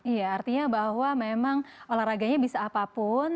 iya artinya bahwa memang olahraganya bisa apapun